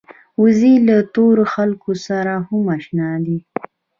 وزې له تورو خلکو سره هم اشنا ده